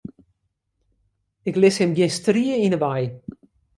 Ik lis him gjin strie yn 'e wei.